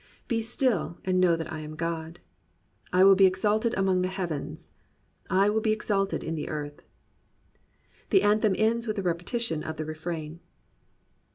Be still, and know that I am God : I will be exalted among the heathen: I will be exalted in the earth. The anthem ends with a repetition of the refrain.